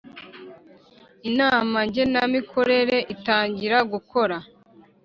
Inama Ngenamikorere itangira gukora